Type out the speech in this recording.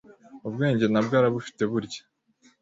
ubwenge nabwo arabufite burya